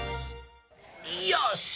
よし！